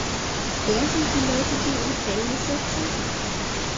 Wer sind die Leute, die im Gefängnis sitzen?